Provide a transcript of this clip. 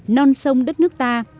non sông đất nước ta